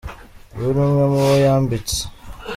Uyu ni umwe mu bo yambitse.